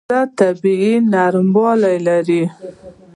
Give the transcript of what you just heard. زړه د طبیعت نرموالی لري.